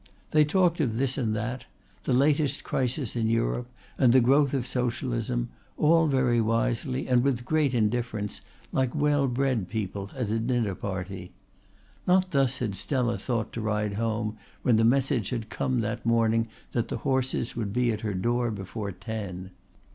They talked of this and that, the latest crisis in Europe and the growth of Socialism, all very wisely and with great indifference like well bred people at a dinner party. Not thus had Stella thought to ride home when the message had come that morning that the horses would be at her door before ten.